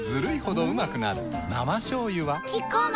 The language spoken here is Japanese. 生しょうゆはキッコーマン